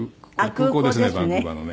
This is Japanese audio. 空港ですねバンクーバーのね。